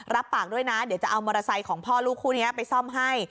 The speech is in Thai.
รับปากด้วยนะเดี๋ยวจะเอามอเตอร์ไซค์ของพ่อลูกคู่นี้ไปซ่อมให้